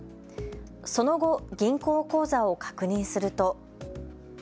その後、銀行口座を確認すると。